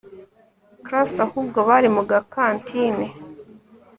class ahubwo bari mugakantine